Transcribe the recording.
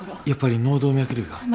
やっぱり脳動脈瘤が？